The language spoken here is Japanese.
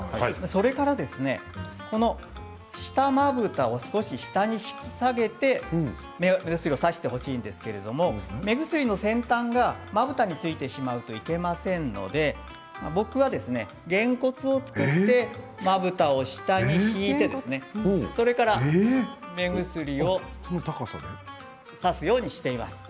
それから下まぶたを少し下に引き下げて目薬をさしてほしいんですけれども目薬の先端が、まぶたについてしまうといけませんので僕は、げんこつを作ってまぶたを下に引いてそれから目薬をさすようにしています。